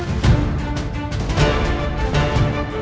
sampai jumpa lagi